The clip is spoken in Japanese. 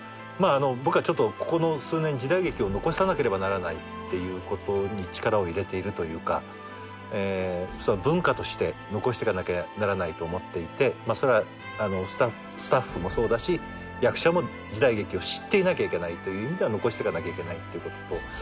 僕はここの数年時代劇を残さなければならないっていうことに力を入れているというか文化として残してかなきゃならないと思っていてそれはスタッフもそうだし役者も時代劇を知っていなきゃいけないという意味では残してかなきゃいけないっていうことと。